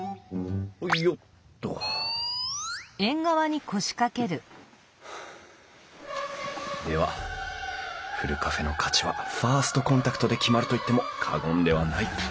およっとではふるカフェの価値はファーストコンタクトで決まると言っても過言ではない。